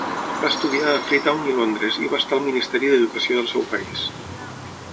Va estudiar a Freetown i Londres i va estar al ministeri d'educació del seu país.